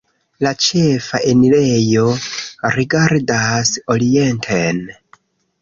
La ĉefa enirejo rigardas orienten.